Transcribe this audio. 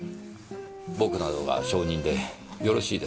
僕などが証人でよろしいですかねぇ。